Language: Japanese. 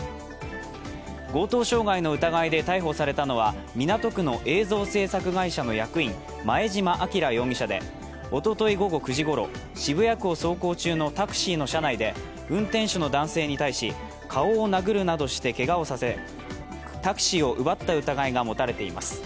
強盗傷害の疑いで逮捕されたのは、港区の映像制作会社の役員、前嶋輝容疑者で、おととい午後９時ごろ、渋谷区を走行中のタクシーの車内で運転手の男性に対し、顔を殴るなどして、けがをさせ、タクシーを奪った疑いが持たれています。